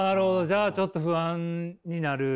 じゃあちょっと不安になる。